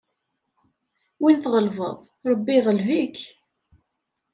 Win tɣelbeḍ, Ṛebbi iɣleb-ik.